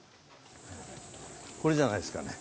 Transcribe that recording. これじゃないですかね？